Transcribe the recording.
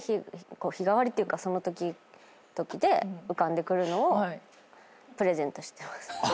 日替わりっていうかその時々で浮かんでくるのをプレゼントしてます。